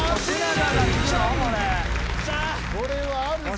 これはあるぞ。